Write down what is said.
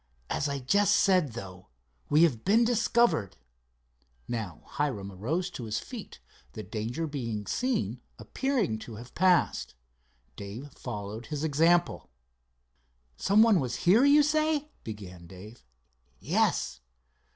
As I just said, though, we have been discovered." Now Hiram arose to his feet, the danger of being seen appearing to have passed. Dave followed his example. "Some one was here, you say?" began Dave. "Yes."